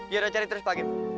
ya udah cari terus pak kim